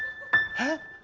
えっ？